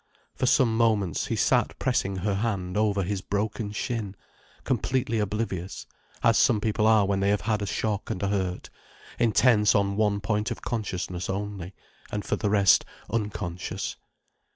For some moments he sat pressing her hand over his broken shin, completely oblivious, as some people are when they have had a shock and a hurt, intense on one point of consciousness only, and for the rest unconscious.